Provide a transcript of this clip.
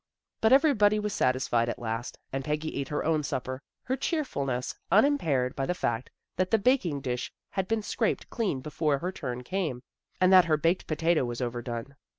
But everybody was satisfied at last, and Peggy ate her own supper, her cheerfulness unimpaired by the fact that the baking dish had been scraped clean before her turn came, and that her baked potato was overdone.